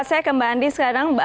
saya ke mbak andi sekarang